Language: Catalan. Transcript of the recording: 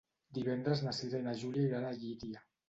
Divendres na Cira i na Júlia iran a Llíria.